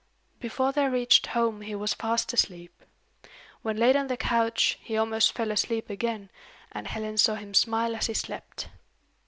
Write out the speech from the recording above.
Before they reached home he was fast asleep. When laid on his couch, he almost fell asleep again, and Helen saw him smile as he slept.